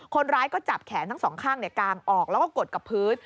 คนร้ายก็จับแขนทั้งสองข้างกางออกแล้วก็กดกับพื้น